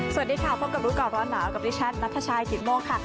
สวัสดีค่ะพบกับรู้ก่อนร้อนหนาวกับดิฉันนัทชายกิตโมกค่ะ